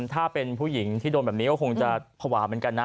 ถ้าเป็นผู้หญิงที่โดนแบบนี้ก็คงจะภาวะเหมือนกันนะ